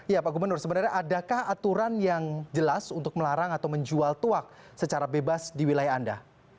ya pak gubernur sebenarnya adakah aturan yang jelas untuk melarang atau menjual tuak secara bebas di wilayah anda